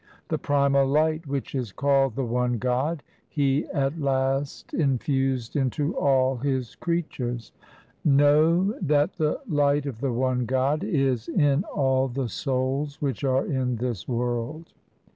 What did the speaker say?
The primal light which is called the one God, He at last infused into all His creatures. Know that the light of the one God Is in all the souls which are in this world.